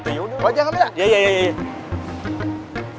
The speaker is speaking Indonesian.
gue jalan ambil